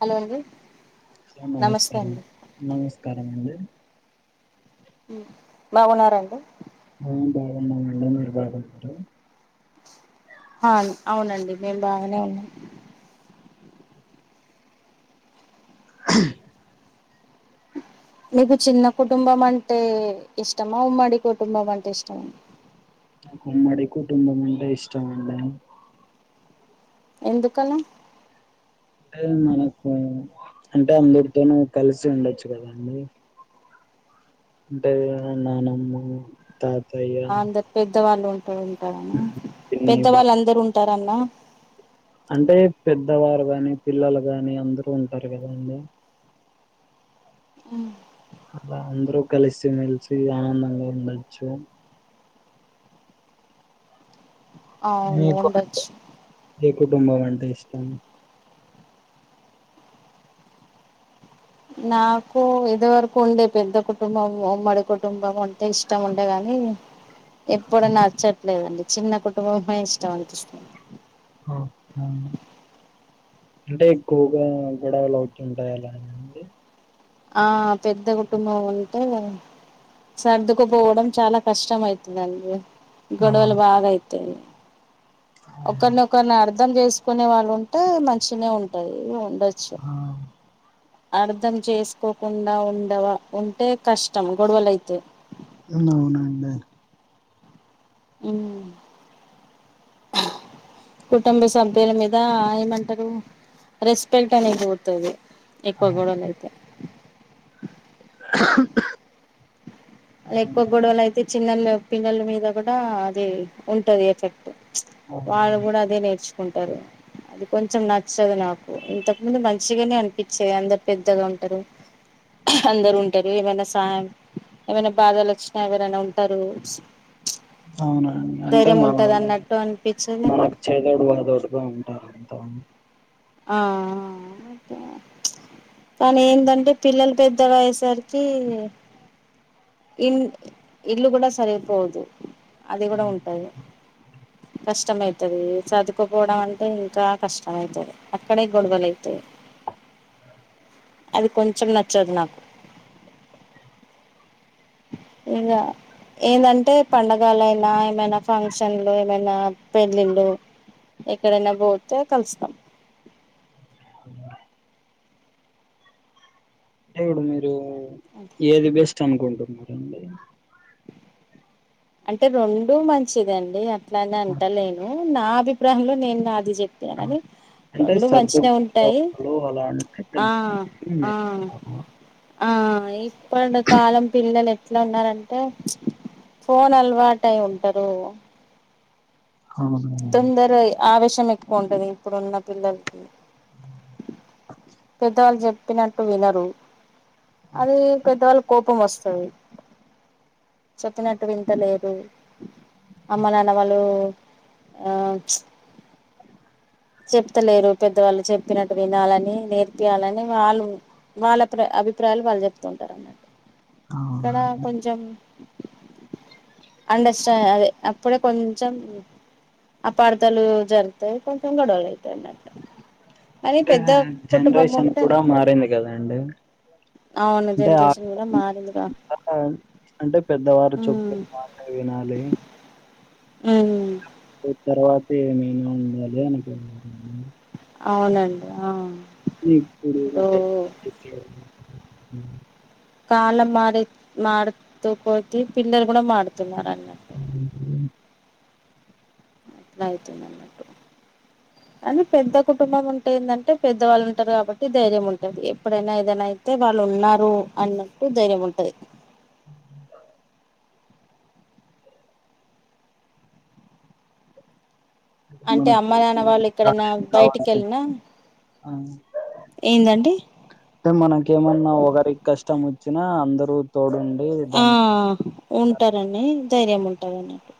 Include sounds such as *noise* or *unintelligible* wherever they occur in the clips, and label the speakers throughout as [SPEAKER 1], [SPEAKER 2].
[SPEAKER 1] Hello అండి
[SPEAKER 2] ఆ
[SPEAKER 1] నమస్తే
[SPEAKER 2] నమస్కారం
[SPEAKER 1] అండి
[SPEAKER 2] నమస్కారం అండి
[SPEAKER 1] బాగున్నార అండి
[SPEAKER 2] ఆ బాగున్నమండి మీరు బాగున్నార
[SPEAKER 1] అవును అవునండి మేము బాగనే ఉన్నాం మీకు చిన్న కుటుంబం అంటే ఇష్టమా ఉమ్మడి కుటుంబం అంటే ఇష్టమా
[SPEAKER 2] ఉమ్మడి కుటుంబం అంటే ఇష్టం అండి
[SPEAKER 1] ఎందుకని
[SPEAKER 2] అంటే మనకు అంటే అందరితోనూ కలిసి ఉండొచ్చు కదండి అంటే నానమ్మ తాత
[SPEAKER 1] అందరు పెద్దవాళ్ళు ఉంట ఉంటారన్న
[SPEAKER 2] ఉమ్, పిన్ని బావ
[SPEAKER 1] పెద్దవాళ్ళు అందరుూ ఉంటారన్న
[SPEAKER 2] అంటే పెద్దవారు గాని పిల్లలు గాని అందరుూ ఉంటారు కదా అండి అలా అందరూ కలిసిమెలిసి ఆనందంగా ఉండచ్చు
[SPEAKER 1] అవును
[SPEAKER 2] మీకు
[SPEAKER 1] ఉండొచ్చు
[SPEAKER 2] ఏ కుటుంబం అంటా ఇష్టం
[SPEAKER 1] నాకు ఇది వరకు ఉండే పెద్ద కుటుంబం ఉమ్మడి కుటుంబం అంటే ఇష్టం ఉండేగాని ఎప్పుడ నచ్చట్లేదండి చిన్న కుటుంబమే ఇష్టం అనిపిస్తుంది
[SPEAKER 2] ఓహ అంటే ఎక్కువగా గొడవలు అవుతుంటాయి అలా అండి
[SPEAKER 1] ఆ పెద్ద కుటుంబం అంటే సర్దుకుపోవడం చాలా కష్టం ఐతాదండి గొడవలు
[SPEAKER 2] అవును
[SPEAKER 1] బాగా అయితేయి ఒకరనొకర్ణి అర్ధ అర్ధం చేసుకునే వాళ్ళు ఉంటే మంచినే ఉంటాయి
[SPEAKER 2] ఆ
[SPEAKER 1] అర్ధం చేసుకోకుండా ఉండవ ఉంటే కష్టం గొడవలైతే
[SPEAKER 2] అవునండి
[SPEAKER 1] ఉ కుటుంబ సభ్యుల మీద ఏమంటారు రెస్పెక్ట్ అనేద్ పోతది ఎక్కువ గొడవలు అయితే
[SPEAKER 2] *inaudible*
[SPEAKER 1] ఎక్కువ
[SPEAKER 2] అవునా
[SPEAKER 1] గొడవలు అయితే చిన్న పిల్లల మీద కూడా అది ఉంటది ఎఫెక్ట్
[SPEAKER 2] అవునా
[SPEAKER 1] వాళ్ళు కూడా అదే నేర్చుకుంటారు అది కొంచెం నచ్చు నాకు ఇంతకు ముందు మంచ్ గానే అనిపించేది అందరు పెద్దగా ఉంటారు అందరు ఉంటారు ఏమైనా సహాయం ఏమైనా బాధలు వచ్చినా ఎవరైనా ఉంటారు
[SPEAKER 2] అవునండి అంటే
[SPEAKER 1] ధైర్యం
[SPEAKER 2] మనం
[SPEAKER 1] ఉంటది అన్నట్టు అనిపించేది
[SPEAKER 2] మనకు చేదోడు వాదోడుగా ఉంటారు తని
[SPEAKER 1] ఆ ఆ క కానీ ఏందంటే పిల్లలు పెద్దగాయేసరికి ఇల్ ఇల్లు కూడా సరిపోదు అది
[SPEAKER 2] ఆ,
[SPEAKER 1] కూడా ఉంటంది కష్టమైతది చదువుకోపోవడం అంటే ఇంకా కష్టమైతది అక్కడే గొడవలు ఐతాయి అది కొంచెం నచ్చదు నాకు ఇగ ఏందంటే పండగలైనా ఏమైనా ఫంక్షన్లు ఏమైనా పెళ్ళిళ్ళు ఎక్కడైనా పోతే కలుస్తాం
[SPEAKER 2] ఉండు అంటే ఇప్పుడు మీరు ఏది బెస్ట్ అనుకుంటున్నరండి
[SPEAKER 1] అంటే రెండూ మంచిదండి అట్లానే అంటలేను నా అభిప్రాయంలో నేను నా ఇది చెప్తే
[SPEAKER 2] ఆ,
[SPEAKER 1] అనేది
[SPEAKER 2] అంటే
[SPEAKER 1] రెండు మంచిన ఉంటాయి
[SPEAKER 2] సర్దులో అలా అంటే
[SPEAKER 1] ఆ ఆ
[SPEAKER 2] అవును
[SPEAKER 1] ఆ ఇపడ కాలం పిల్లలు ఎట్లా ఉన్నారంటే ఫోన్ అలవాటు అయి ఉంటారు
[SPEAKER 2] అవును
[SPEAKER 1] తొందర ఆవేశం ఎక్కువ ఉంటది ఇప్పుడున్న పిల్లలకి పెద్దవాళ్ళు చెప్ ప్పినట్టు వినరు అది పెద్దవాళ్ళకి కోపం వస్తది చెప్పినట్టు వింటలేదు అమ్మ నాన్న వాళ్ళు ఆ చెప్తలేరు పెద్దవాళ్ళు చెప్పినట్టు వినాలని నేర్పయాలని వాళ్ళు వాళ్ళ ప్రా అబ్బి ప్రయాలు వాళ్ళు చెప్తుంటారు అన్నమాట అక్కడ
[SPEAKER 2] అవునండి
[SPEAKER 1] కొంచెం అండర్స్టాం అదే అప్పుడే కొంచెం అపార్ధాలు జరుగుతాయి కొంచెం గొడవలు అయితయి అన్నటు
[SPEAKER 2] అంటే జనరేషన్ కూడా మారింది కదా అండి
[SPEAKER 1] అవును జనరేషన్ కూడా మారిందిగా
[SPEAKER 2] ఆ! అంటే పెద్దవారు
[SPEAKER 1] ఉమ్
[SPEAKER 2] చెప్పిన మాట వినాలి
[SPEAKER 1] ఉమ్
[SPEAKER 2] తర్వాత ఏమైనా ఉండాలి అనుకున్
[SPEAKER 1] అవునండి ఆ ఇప్పుడు
[SPEAKER 2] *unintelligible*
[SPEAKER 1] కాలం మారి మారుతుపోతే పిల్లలు కూడా మార్ ట్రై చేయ్ అన్నట్టు కానీ పెద్ద కుటుంబం ఉంటేందంటే పెద్దవాళ్ళు ఉంటారు కాబట్టి ధైర్యం ఉంటది ఎప్పుడైనా ఏదైనా అయితే వాళ్ ఉన్నారు అన్నట్టు ధైర్యం ఉంటది అంటే అమ్మ
[SPEAKER 2] మనకి
[SPEAKER 1] నాన్న వాళ్ళు ఎక్కడనా
[SPEAKER 2] సహాయం
[SPEAKER 1] బయటికి
[SPEAKER 2] కావాల్సి
[SPEAKER 1] వెళ్ళిన
[SPEAKER 2] ఆ అంటే మనకేమన్నా ఒకరికి కష్టము వచ్చినా అందరు తోడుం
[SPEAKER 1] ఆ ఉంటారని ధైర్యం ఉంటది నాకు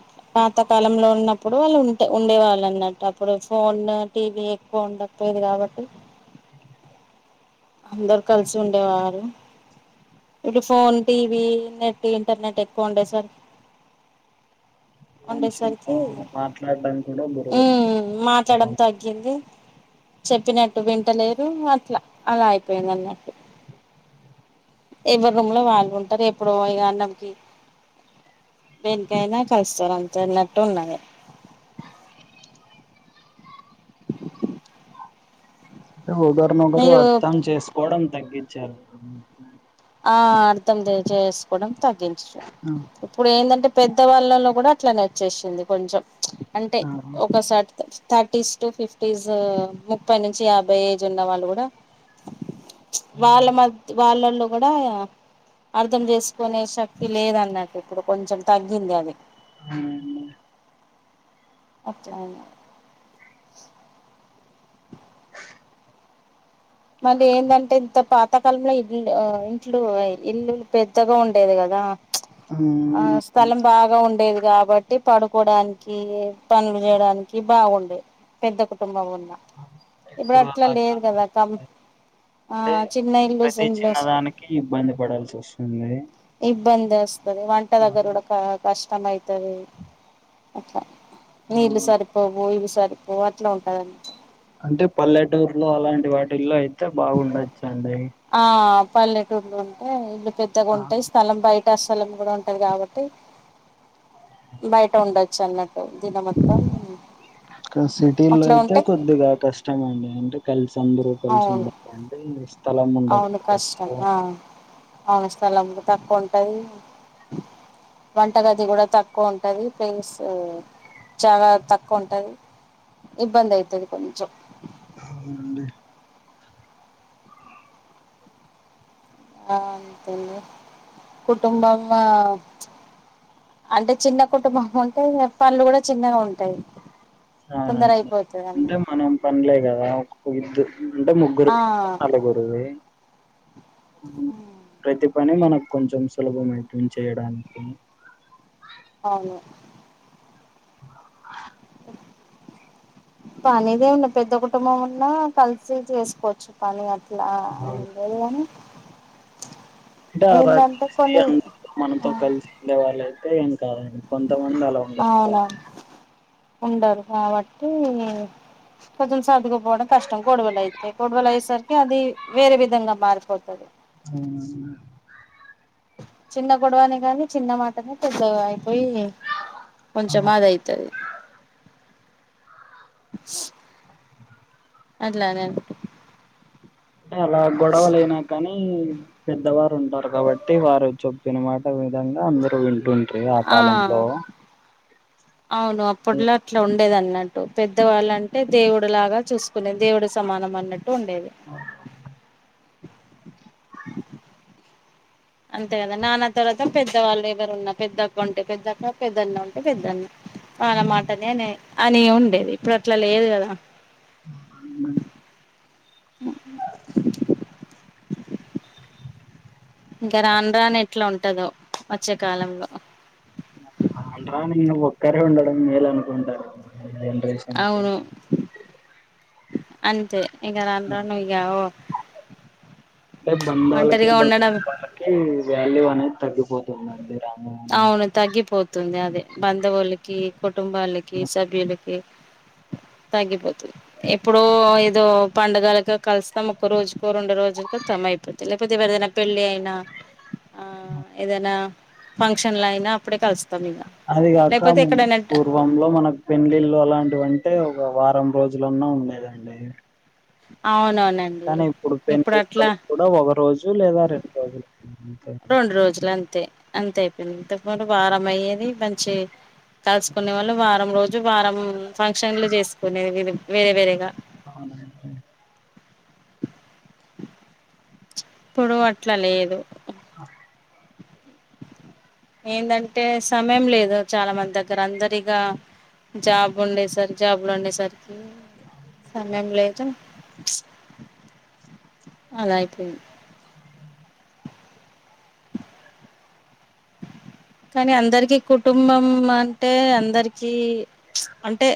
[SPEAKER 1] అ పాత కాలంలో ఉన్నప్పుడు వాళ్ళు ఉంటే ఉండే వాళ్ళ అన్నట్టు అప్పుడు ఫోన్ టీవీ ఎక్కువ ఉండకపో ఏది కాబట్టి అందరు కలిసి ఉండేవారు ఇప్పుడు ఫోన్ టీవి నెట్ ఇంటర్నెట్ ఎక్కువ ఉండేసరికి
[SPEAKER 2] మనుషులతో
[SPEAKER 1] ఉండేసరికి
[SPEAKER 2] మాట్లాడడం కూడా గురవచ్చారు.
[SPEAKER 1] ఉమ్ మాట్లాడం తగ్గింది చెప్పినట్టు వింటలేరు అట్లా అలా అయిపోయింది అన్నట్టు ఎవరు రూమ్ లో వాళ్ళుంటారు ఎప్పుడో ఇగ అన్నంతి దేనికైనా కలుస్తారు అంత అన్నటు ఉన్నది
[SPEAKER 2] అంటే ఒకరినొకరు
[SPEAKER 1] మీరు
[SPEAKER 2] అర్థం చేసుకోవడం తగ్గిచారు
[SPEAKER 1] ఆ అర్థం చేసుకోవడం తగ్గించిరు
[SPEAKER 2] ఆ!
[SPEAKER 1] ఇప్పుడు ఏంటంటే పెద్దవాళ్ళలో కూడా అట్లా నచ్చేసింది కొంచెం అంటే
[SPEAKER 2] ఆ!
[SPEAKER 1] ఒకసార్ థర్టీస్ టు ఫిఫ్టీస్ ముప్పై నుంచి యాభై ఏజ్ ఉన్న వాళ్ళు కూడా
[SPEAKER 2] అవును.
[SPEAKER 1] వాళ్ళ మద్ వాళ్ళలో కూడా అర్థం చేసుకునే శక్తి లేదన్నట్టు ఇప్పుడు కొంచెం తగ్గింది అది
[SPEAKER 2] అవునండి
[SPEAKER 1] ఓక్ జైన మల్లీ ఏందంటే ఇంత పాతకాలంలో ఇల్లు ఇంట్లు ఇల్లులు పెద్దగా ఉండేది కదా ఆ
[SPEAKER 2] హ్మ్.
[SPEAKER 1] స్థలం బాగా ఉండేదిగా కాబట్టి పడుకోడానికి పనులు చేయడానికి బాగుండే పెద్ద పెద్ద కుటుంబం ఉం ఇప్పుడు అట్లా
[SPEAKER 2] అలా
[SPEAKER 1] లేదు
[SPEAKER 2] కాదు
[SPEAKER 1] కదా కం ఆ
[SPEAKER 2] అంటే
[SPEAKER 1] చిన్న ఇల్లు
[SPEAKER 2] ప్రతి
[SPEAKER 1] ఇల్లు
[SPEAKER 2] చిన్నదానికి ఇబ్బంది పడాల్సి వస్తుంది
[SPEAKER 1] ఇబ్బంది వస్తుంది వంట దగ్గర
[SPEAKER 2] అవును.
[SPEAKER 1] కూడా క కష్టం అైతది అట్లా
[SPEAKER 2] ఆ
[SPEAKER 1] నీళ్లు సరిపోవు ఇవి సరిపోవు అట్లా ఉంటదంన్మాట
[SPEAKER 2] అంటే పల్లెటూర్లో అలాంటి వాటిల్లో అయితే బాగుండొచ్చండి
[SPEAKER 1] పల్లెటూర్లో ఉంటే ఇల్లు పెద్దగా ఉంటాయి స్థలం బయట పెద్ద స్థలం కూడా ఉంటది కాబట్టి బైట ఉండచ్చా
[SPEAKER 2] సిటీలో
[SPEAKER 1] అట్లా
[SPEAKER 2] అయితే
[SPEAKER 1] ఉంటే
[SPEAKER 2] కొద్దిగా కష్టమండి అంటే కలిసి అందరూ కలిసి
[SPEAKER 1] అవును
[SPEAKER 2] ఉండచంటే స్థలం ఉండకపోవచ్చు
[SPEAKER 1] కాళీ స్థలం తక్కువుంటది వంటగది కూడా తక్కువ ఉంటది ప్లేస్ చాలా తక్కువ ఉంటది ఇబ్బంధైతది కొంచెం
[SPEAKER 2] అవునండి
[SPEAKER 1] ఆ అంతేండి కుటుంబం ఆ అంటే చిన్న కుటుంబం ఉంటాయి పనులు కూడా చిన్నగా ఉంటాయి తొందర
[SPEAKER 2] అవునండి
[SPEAKER 1] అయిపోతది అన్న
[SPEAKER 2] అంటే మనం పనులే కదా ఒ ఇద్దు అంటే
[SPEAKER 1] ఆ
[SPEAKER 2] ముగ్గురువి నలుగురువి ప్రతి పని మనకు కొంచెం సులభంమైతంది చేయడానికి
[SPEAKER 1] అవును
[SPEAKER 2] హ
[SPEAKER 1] అ పనిదే ఉంది పెద్ద కుటుంబం ఉన్నా కలిసి చేసుకోవచ్చు పని అ లా
[SPEAKER 2] అవును.
[SPEAKER 1] రెన్రోలనే
[SPEAKER 2] అంటే
[SPEAKER 1] కొన్ని
[SPEAKER 2] కలిసి మనతో కలిసి ఉండే వాళ్ళయితే కానీ కొంతమంది అలా ఉండకపోవచ్చు
[SPEAKER 1] అవునవును ఉండరు కాబట్టి కొంచెం సర్దుకుపోవడం కష్టం కొడవలయితే కొడవలు అయ్యేసరికి అది వేరే విధంగా మారిపోతది
[SPEAKER 2] అవునన్నా
[SPEAKER 1] చిన్న గొడవనే కానీ చిన్న మాటనే పెద్దయితే పోయి కొంచెం ఏదైతది స్ అట్లగ అంటూ
[SPEAKER 2] అంటే అలా గొడవలయినా కానీ పెద్దవారు ఉంటారు కాబట్టి వారు చెప్పిన మాట విధంగా అందరుూ వింటుంటారు ఆ కాలంలో
[SPEAKER 1] అవును అప్పట్లో అట్లా ఉ ండేదంటూ పెద్దవాళ్ళంటే దేవుడు లాగా చూసుకునేది దేవుడు సమానం అన్నట్టు టు ఉండేది అంతే కదా నాన్న తర్వాత పెద్దవాళ్ళు ఎవరు ఉన్న పెద్దక్క ఉంటే పెద్దక్క పెద్దన్న ఉంటే పెద్దన్న తనమాటనే అని ఉండేది ఇప్పుడు అట్లా లేదు కదా
[SPEAKER 2] ఆహా
[SPEAKER 1] హుము ఇంక రానురాను ఎట్లా ఉంటదొ వచ్చే కాలంలో
[SPEAKER 2] రానురాను ఒక్కరే ఉండడం మేలు అనుకుంటారు ఇప్పుడు జనరేషన్కి
[SPEAKER 1] అవును అంతే ఇంకా రానురాను ఇగ ఓ
[SPEAKER 2] అంటే బంధాలకి బంధుత్వలకి వాల్యూ అనే
[SPEAKER 1] అవును తగ్గిపోతుంది అదే బంధువులకి కుటుంబాలకి సభ్యులకి తగ్గిపోతుంది ఎప్పుడో ఏదో పండగలకో కలుస్తాం ఒక్క రోజుకో రెండు రోజులుకో త్తమ అయిపోతది లేకపోతే ఎవరిదైనా పెళ్ళిఅయి నా ఏదైనా ఫంక్షన్ అయినా అప్పుడే కలి
[SPEAKER 2] అది కాక పూర్వంలో మనకి పెళ్లిళ్ళు ఎలాంటివంటే ఒక వారం రోజు లన్న ఉండేదండి
[SPEAKER 1] అవునవు
[SPEAKER 2] కానీ ఇప్పుడు పెళ్ళిల్లు కూడా ఒక రోజు లేదా రెండు రోజులు అంతే
[SPEAKER 1] రెండు రోజులు అంతే అంతే అయిపోయింది ఇంతకు ముందు వారం అయ్యేది మంచి కలుసుకునే వాళ్ళు వారం రోజులు వారం ఫంక్షన్లు చేసుకునేది వేరే వేరేగా
[SPEAKER 2] అవునండి
[SPEAKER 1] ఇప్పుడు అట్లా లేదు
[SPEAKER 2] ఆ
[SPEAKER 1] ఏందాంటే సమయం లేదు చాలా మంది దగ్గర అందరు ఇగా జాబ్ ఉండే సర్కె ఉండే సార్ సమయం లేదు అలా అయిపోయిం కానీ అందరికీ కుటుంబం అంటే అందరి కి అంటే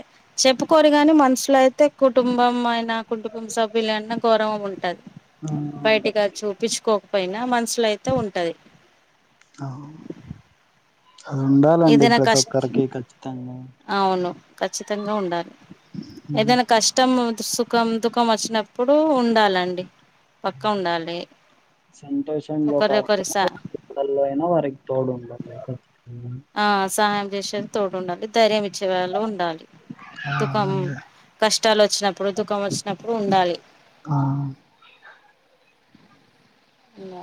[SPEAKER 1] చెప్పుకోరు గాని మనసులో అయితే కుటుంబం ఆయన కుటుంబ సభ్యులన్నా గౌరవం ఉంటది
[SPEAKER 2] ఆ
[SPEAKER 1] బయటికి
[SPEAKER 2] అవునండి.
[SPEAKER 1] అది చూపించుకో కపోనా మనసులోయితే ఉంటాయి
[SPEAKER 2] అవును. అది ఉండాలండి
[SPEAKER 1] ఏదైనా
[SPEAKER 2] ప్రతి
[SPEAKER 1] కష్ట
[SPEAKER 2] ఒక్కరికి ఖచ్చితంగా
[SPEAKER 1] అవును ఖచ్చితంగా ఉండాలి
[SPEAKER 2] హ్మ్.
[SPEAKER 1] ఏదైనా కష్టం ఉం సుఖం దుఃఖం వచ్చినప్పుడు ఉండాలండి పక్కా ఉండాలి
[SPEAKER 2] సంతోషంలో
[SPEAKER 1] ఒకరికొరి స
[SPEAKER 2] కాకపోయినా అయినా వారి దుఃఖంలో అయిన వారికి తోడు ఉండాలి కదా
[SPEAKER 1] ఆ సహాయం చేసేకి తోడు ఉండాలి ధైర్యమీచే వాళ్ళు ఉండాలి
[SPEAKER 2] ఆ
[SPEAKER 1] దుఖం
[SPEAKER 2] అవునండి
[SPEAKER 1] కష్ట ట్టాలు వచ్చినప్పుడు దుఃఖం వచ్చినప్పుడు ఉండాలి
[SPEAKER 2] ఆ
[SPEAKER 1] ఇంగ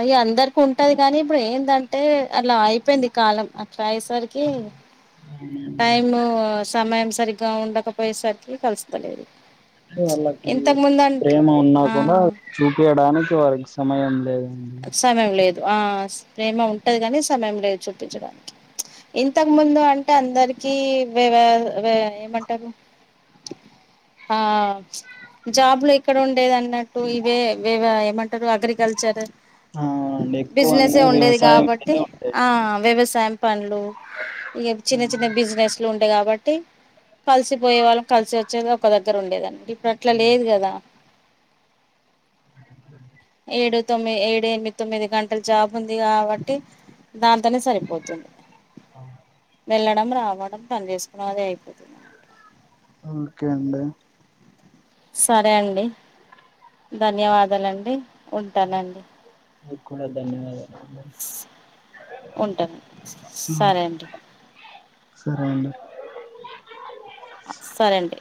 [SPEAKER 1] అయి అందరికి ఉంటయి కానీ ఇప్పుడు ఏంటంటే అలా అయిపోయింది కాలం ట్రైఎసరికే
[SPEAKER 2] అవునండి.
[SPEAKER 1] టైమ్ సమయం సరిగ్గా ఉండకపోయేసరికి కలుస్తలేదు
[SPEAKER 2] అంటే వాళ్ళకి
[SPEAKER 1] ఇంతకు ముందు అంటే
[SPEAKER 2] ప్రేమ ఉన్నా కూడా
[SPEAKER 1] ఆ
[SPEAKER 2] చూపయడానికి వారికి సమయం లేదు
[SPEAKER 1] సమయం లేదు ఆ ప్రేమ ఉంటయి కానీ సమయం లేదు చూపించడానికి ఇంతకు ముందు అంటే అందరికి వేరే వేవ్ ఏమంటారు ఆ జాబ్లు ఎక్కడ ఉండేది అన్నట్టు ఇవే వ ఏమంటారు అగ్రికల్చర్
[SPEAKER 2] ఆ! అవునండి ఎక్కువ అన్ని
[SPEAKER 1] బిజినెసే ఉండేది
[SPEAKER 2] వ్యవసాయం
[SPEAKER 1] కాబట్టి
[SPEAKER 2] మీదే ఉంటాయి
[SPEAKER 1] ఆ వ్యవసాయం పనులు ఇక చిన్న చిన్న బిజినెస్లు ఉండా కాబట్టి కలిసిపోయే వాళ్ళం కలిసి వచ్చేది ఒక దగ్గర ఉండేదండి ఇప్పుడు అట్లా లేదు కదా ఏడు తొమ్మిది ఏడు ఎనిమిది తొమ్మిది గంటలు జాబు ఉంది కాబట్టి దాంతోనే సరిపోతుంది వెళ్ళడం రావడం పనిచేసుకోడం అదే అయిపోతుంది అన్నమాట.
[SPEAKER 2] ఓకేండి
[SPEAKER 1] సరే అండి ధన్యవాదాలండి ఉంటానండి
[SPEAKER 2] మీకు కూడా ధన్యవాదాలండి
[SPEAKER 1] ఉంటనండి
[SPEAKER 2] ఆ
[SPEAKER 1] సరే అండి
[SPEAKER 2] సరే అండి
[SPEAKER 1] సరే అండి